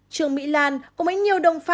trương mỹ lan cũng mấy nhiều đồng phạm